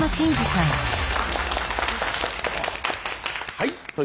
はい。